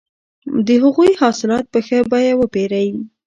د هغوی حاصلات په ښه بیه وپېرئ.